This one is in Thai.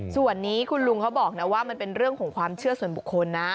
ส่วนนี้คุณลุงเขาบอกนะว่ามันเป็นเรื่องของความเชื่อส่วนบุคคลนะ